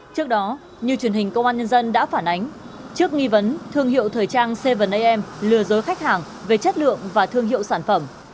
trước đó như truyền hình công an nhân dân đã phản ánh trước nghi vấn thương hiệu thời trang seven am lừa dối khách hàng về chất lượng và thương hiệu sản phẩm